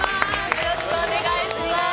よろしくお願いします。